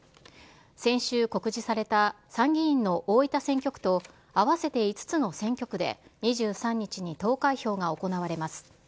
先週告示された参議院の大分選挙区と合わせて５つの選挙区で２３日に投開票が行われます。